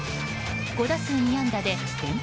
５打数２安打で連敗